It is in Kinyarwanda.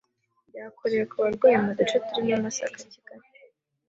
bwakorewe ku barwayi mu duce turimo Masaka Kigali